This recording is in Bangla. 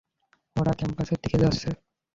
ওরা ক্যাম্পের দিকে যাচ্ছে!